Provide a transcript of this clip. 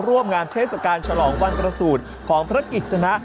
ร่วมงานเทศกาลฉลองวันประสูจน์ของพระกิจสนะ